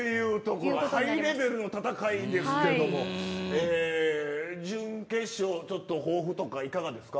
ハイレベルな戦いですけれども準決勝、抱負とかいかがですか。